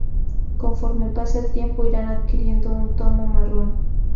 Conforme pase el tiempo irán adquiriendo un tono marrón.